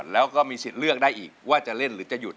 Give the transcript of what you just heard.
แล้วก็มีสิทธิ์เลือกได้อีกว่าจะเล่นหรือจะหยุด